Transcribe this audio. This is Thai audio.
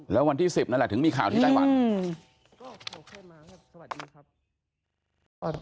แล้ววันที่๑๐นั่นแหละถึงมีข่าวที่ไตรวัน